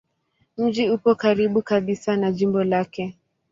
Mji upo karibu kabisa na jimbo lake.